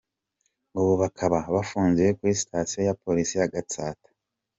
Ubu bakaba bafungiye kuri sitasiyo ya Polisi ya Gatsata.